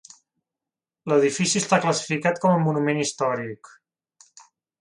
L'edifici està classificat com a Monument històric.